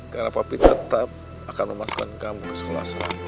karena papi tetap akan memasukkan kamu ke sekolah selanjutnya